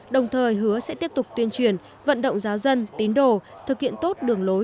đồng thời hứa sẽ tiếp tục tuyên truyền vận động giáo dân tín đồ thực hiện tốt đường lối